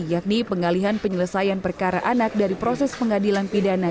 yakni pengalihan penyelesaian perkara anak dari proses pengadilan pidana